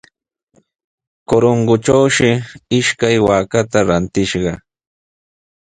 Corongotrawshi ishkay waakata rantishqa.